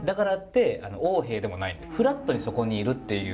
フラットにそこにいるっていう。